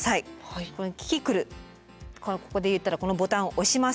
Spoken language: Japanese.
ここで言ったらこのボタンを押します。